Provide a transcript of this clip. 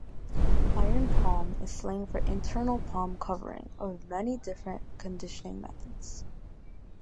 Iron Palm is slang for internal palm covering many different conditioning methods.